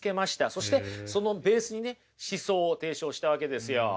そしてそのベースにね思想を提唱したわけですよ。